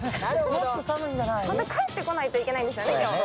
また帰ってこないといけないんですよね、今日。